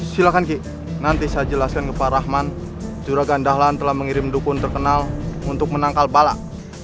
silahkan ki nanti saya jelaskan ke pak rahman curagan dahlan telah mengirim dukun terkenal untuk menangkal balak